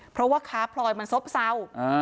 เพราะว่าค้าพลอยมันซบเศร้า